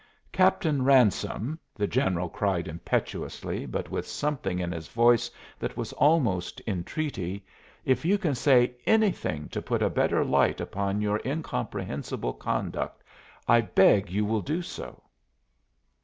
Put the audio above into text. "Captain Ransome," the general cried impetuously, but with something in his voice that was almost entreaty, "if you can say anything to put a better light upon your incomprehensible conduct I beg you will do so."